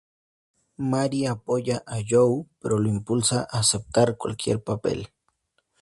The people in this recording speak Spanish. Mary apoya a Joe, pero lo impulsa a aceptar cualquier papel.